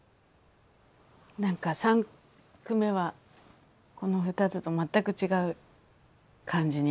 何か三句目はこの２つと全く違う感じに。